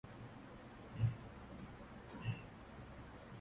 • Otga minish oson, tushish qiyin.